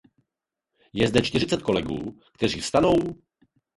Je zde čtyřicet kolegů, kteří vstanou?